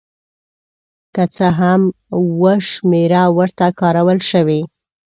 که څه هم اوه شمېره ورته کارول شوې.